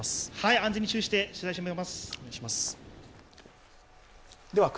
安全に注意して取材します。